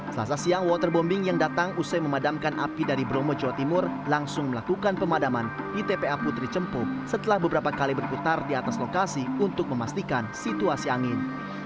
selasa siang waterbombing yang datang usai memadamkan api dari bromo jawa timur langsung melakukan pemadaman di tpa putri cempu setelah beberapa kali berputar di atas lokasi untuk memastikan situasi angin